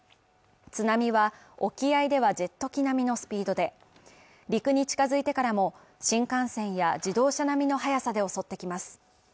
津波は沖合ではジェット機並みのスピードで陸に近づいてからも、新幹線や自動車並みの速さで襲ってきます